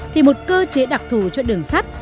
thì một cơ chế đặc thù cho đường sắt